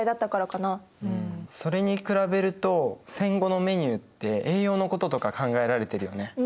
それに比べると戦後のメニューって栄養のこととか考えられてるよね。